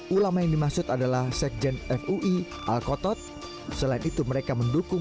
ulama yang dimaksud adalah sekjen fui al kotot selain itu mereka mendukung